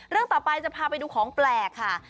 เรื่องต่อไปจะพาไปดูของแปลกค่ะ